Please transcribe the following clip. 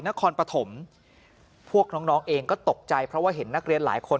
นครปฐมพวกน้องเองก็ตกใจเพราะว่าเห็นนักเรียนหลายคน